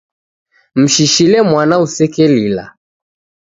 Mshishile mwana usekelila.